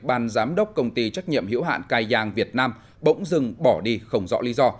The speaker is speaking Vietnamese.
ban giám đốc công ty trách nhiệm hiểu hạn cai giang việt nam bỗng dừng bỏ đi không rõ lý do